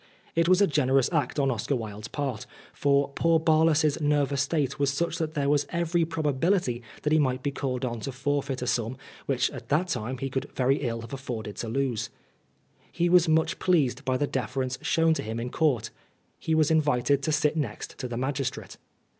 It was a generous act on Oscar Wilde's part, for poor Barlas' s nervous state was such that there was every probability that he might be called on to 105 Oscar Wilde forfeit a sum which at that time he could very ill have afforded to lose. He was much pleased by the deference shown to him in Court. He was invited to sit next to the magistrate.